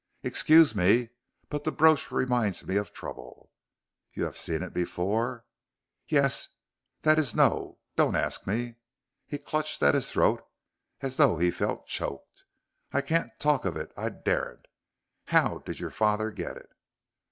"Excuse me, but the brooch reminds me of trouble." "You have seen it before?" "Yes that is no don't ask me." He clutched at his throat as though he felt choked. "I can't talk of it. I daren't. How did your father get it?"